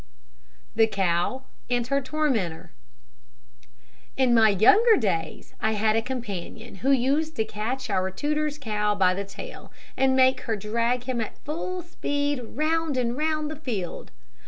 THE COW AND HER TORMENTOR. In my younger days, I had a companion who used to catch our tutor's cow by the tail, and make her drag him at full speed round and round the field.